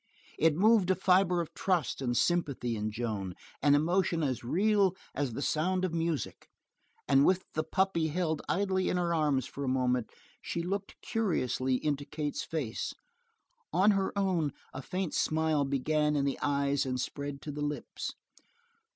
It moved a fiber of trust and sympathy in Joan, an emotion as real as the sound of music, and with the puppy held idly in her arms for a moment, she looked curiously into Kate's face. On her own, a faint smile began in the eyes and spread to the lips.